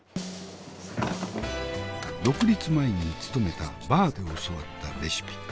独立前に勤めたバーで教わったレシピ。